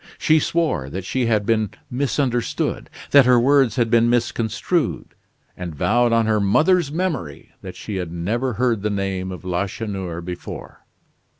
She swore that she had been misunderstood, that her words had been misconstrued; and vowed on her mother's memory, that she had never heard the name of Lacheneur before.